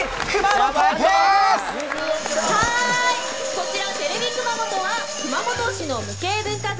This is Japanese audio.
こちらテレビ熊本は熊本市の無形文化財